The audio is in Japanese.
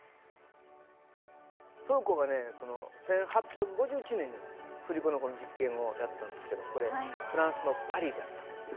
フーコーがね１８５１年に振り子のこの実験をやったんですけどこれフランスのパリでやったんですよ。